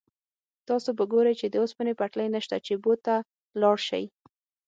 تاسو به ګورئ چې د اوسپنې پټلۍ نشته چې بو ته لاړ شئ.